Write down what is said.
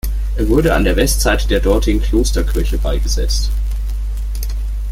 Er wurde an der Westseite der dortigen Klosterkirche beigesetzt.